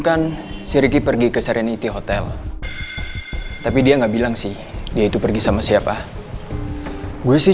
kan si ricky pergi ke seriniti hotel tapi dia enggak bilang sih dia itu pergi sama siapa gue sih